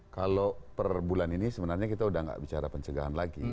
kalau per bulan ini sebenarnya kita sudah tidak bicara pencegahan lagi